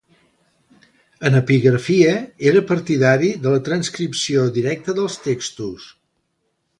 En epigrafia, era partidari de la transcripció directa dels textos.